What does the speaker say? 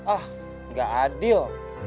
ah gak adil